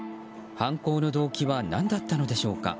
犯行の動機は何だったのでしょうか。